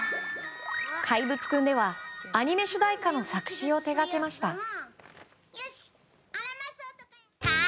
「怪物くん」ではアニメ主題歌の作詞を手がけました。